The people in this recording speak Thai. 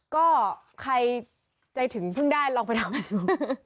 ก็ใครใจถึงเพิ่งได้ลองไปทำกันดู